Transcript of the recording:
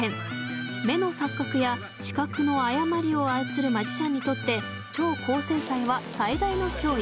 目の錯覚や知覚の誤りを操るマジシャンにとって超高精細は最大の脅威。